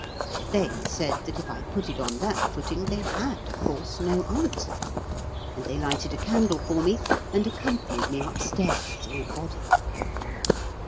They said that if I put it on that footing, they had, of course, no answer; and they lighted a candle for me, and accompanied me upstairs in a body.